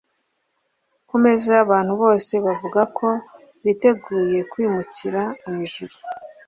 ku meza y’abantu bose bavuga ko biteguye kwimukira mu ijuru.